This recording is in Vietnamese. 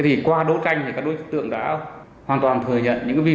thủ đoạn hoạt động của các đối tượng